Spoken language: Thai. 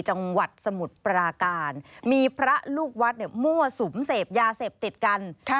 จังหวัดสมุทรปราการมีพระลูกวัดเนี่ยมั่วสุมเสพยาเสพติดกัน